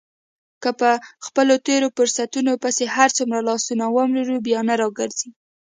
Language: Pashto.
که په خپلو تېرو فرصتونو پسې هرڅومره لاسونه ومروړې بیا نه را ګرځي.